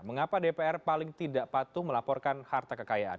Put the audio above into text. mengapa dpr paling tidak patuh melaporkan harta kekayaan